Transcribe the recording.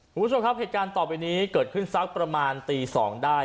คุณผู้ชมครับเหตุการณ์ต่อไปนี้เกิดขึ้นสักประมาณตี๒ได้